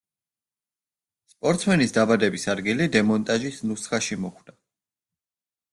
სპორტსმენის დაბადების ადგილი დემონტაჟის ნუსხაში მოხვდა.